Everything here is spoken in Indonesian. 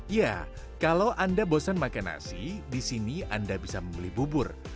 ya kalau anda bosan makan nasi di sini anda bisa membeli bubur